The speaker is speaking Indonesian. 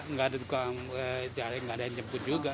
nggak ada yang jemput juga